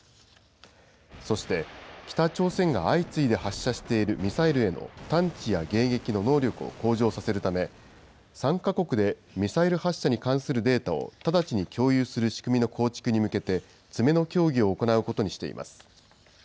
そして北朝鮮が相次いで発射しているミサイルへの探知や迎撃の能力を向上させるため、３か国でミサイル発射に関するデータを直ちに共有する仕組みの構築に向けて、詰めの協議を行うことにしています。